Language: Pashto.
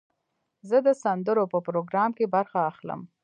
زه د سندرو په پروګرام کې برخه اخلم.